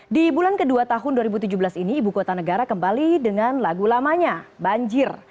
di bulan kedua tahun dua ribu tujuh belas ini ibu kota negara kembali dengan lagu lamanya banjir